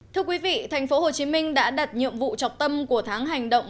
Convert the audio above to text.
thưa quý vị thành phố hồ chí minh đã đặt nhiệm vụ trọc tâm của tháng hành động